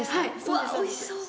うわ、おいしそう！